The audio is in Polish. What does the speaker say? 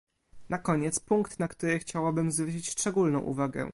Na koniec punkt, na który chciałabym zwrócić szczególną uwagę